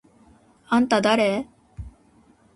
あんただれ？！？